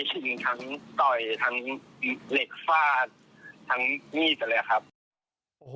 ตีฉิงทั้งต่อยทั้งเหล็กฟาดทั้งมีดเลยครับ